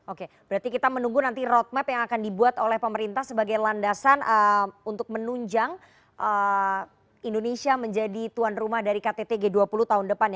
oke berarti kita menunggu nanti roadmap yang akan dibuat oleh pemerintah sebagai landasan untuk menunjang indonesia menjadi tuan rumah dari ktt g dua puluh tahun depan